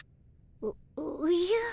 おおじゃ。